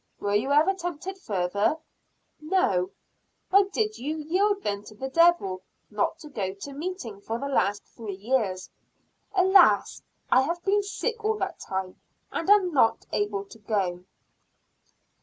"Were you ever tempted further?" "No." "Why did you yield then to the Devil, not to go to meeting for the last three years?" "Alas! I have been sick all that time, and not able to go."